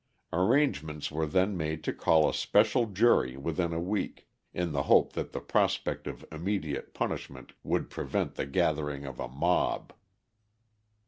Arrangements were then made to call a special trial jury within a week, in the hope that the prospect of immediate punishment would prevent the gathering of a mob.